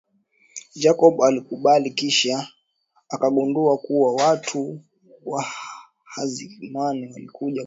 Jacob alikubali kisha akagundua kuwa watu wa Hakizemana walikuja kumfuata